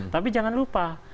tapi jangan lupa